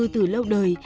từ lâu đời